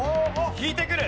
引いてくる！